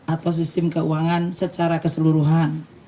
atau sistem keuangan secara keseluruhan